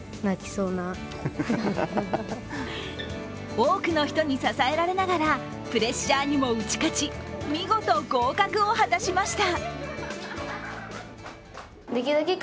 多くの人に支えられながらプレッシャーにも打ち勝ち見事、合格を果たしました。